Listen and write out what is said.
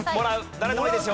誰でもいいですよ。